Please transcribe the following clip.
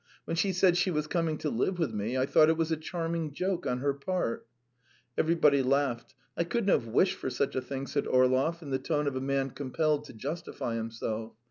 When she said she was coming to live with me, I thought it was a charming joke on her part." Everybody laughed. "I couldn't have wished for such a thing," said Orlov in the tone of a man compelled to justify himself.